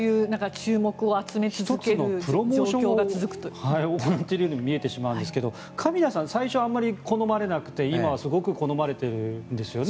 １つのプロモーションが動いているように見えてしまうんですけどカミラさん最初はあまり好まれなくて今はすごく好まれてるんですよね。